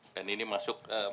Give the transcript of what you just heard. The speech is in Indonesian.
dan ini masuk ke tanggung jawab